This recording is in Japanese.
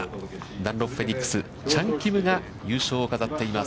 ダンロップフェニックス、チャン・キムが優勝を飾っています。